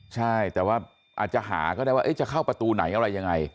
ใช่แต่ว่าอาจจะหาก็ได้ว่าจะเข้าประตูไหนอะไรยังไง